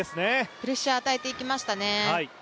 プレッシャー与えていきましたね。